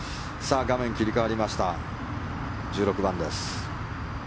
画面切り替わりました１６番です。